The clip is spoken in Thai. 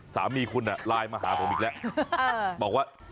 สามีคุณอะไลน์มาหาผมอีกแล้ว